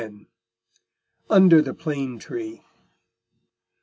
Under the Plane Tree.